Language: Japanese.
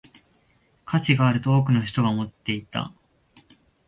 価値があると多くの人が思っていた